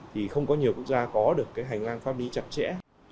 thì không có nhiều quốc gia có được cái hành lang pháp lý chặt chẽ